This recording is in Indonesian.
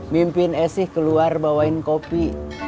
mimpin esi keluar bawain kopi